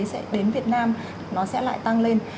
sẽ đến việt nam nó sẽ lại tăng lên